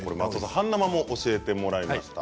半生も教えてもらいました。